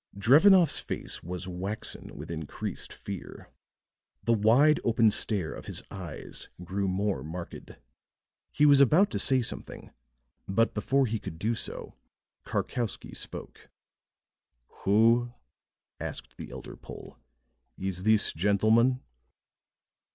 Drevenoff's face was waxen with increased fear; the wide open stare of his eyes grew more marked. He was about to say something, but before he could do so Karkowsky spoke. "Who," asked the elder Pole, "is this gentleman?"